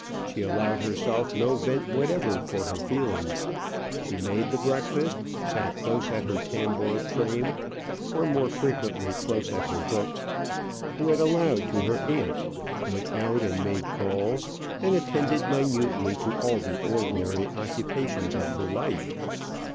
She allowed herself no vent whatever for her feelings. She made the breakfast; sat close at her tambour frame, or more frequently close at her book; read aloud to her aunt; went out and made calls; and attended minutely to all the ordinary occupations of her life.